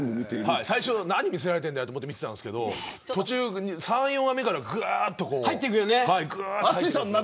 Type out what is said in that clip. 最初は何を見せられてるんだよと思って見てたんですけど３、４話目からぐっと入っていったんです。